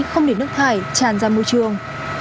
không để nước thải tràn ra môi trường